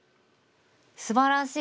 すばらしい！